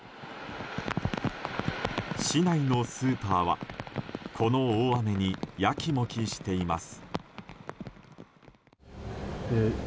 市内のスーパーはこの大雨にやきもきしています。